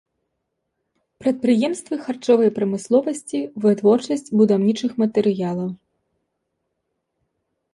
Прадпрыемствы харчовай прамысловасці, вытворчасць будаўнічых матэрыялаў.